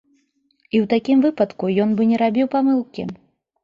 І ў такім выпадку, ён бы не рабіў памылкі.